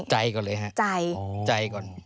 ใจก่อนเลยครับใจก่อน